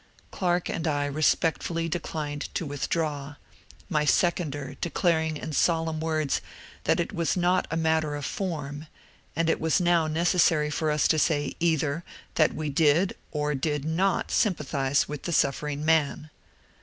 Clarke and I respectfully de clined to withdraw, my seconder declaring in solemn words that it was not a matter of form, and it was now necessary for us to say either that we did or did not sympathize with the suffering man.